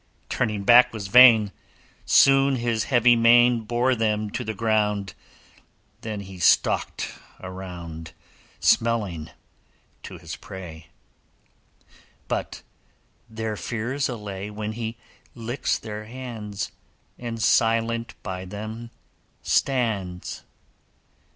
Turning back was vain: Soon his heavy mane Bore them to the ground, Then he stalked around, Smelling to his prey; But their fears allay When he licks their hands, And silent by them stands.